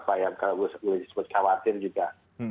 apa ya kalau boleh disebut khawatir juga